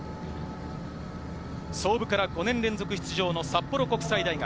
創部から５年連続出場の札幌国際大学。